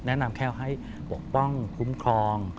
แนะนำแค่ให้ปกป้องคุ้มครอง